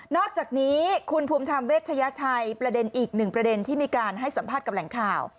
อกจากนี้คุณภูมิธรรมเวชยชัยประเด็นอีกหนึ่งประเด็นที่มีการให้สัมภาษณ์กับแหล่งข่าว